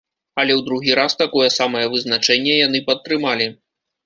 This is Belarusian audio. Але ў другі раз такое самае вызначэнне яны падтрымалі.